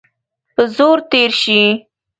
په زور تېر سي.